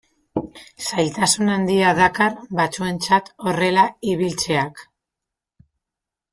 Zailtasun handia dakar batzuentzat horrela ibiltzeak.